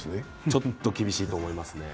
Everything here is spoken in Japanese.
ちょっと厳しいと思いますね。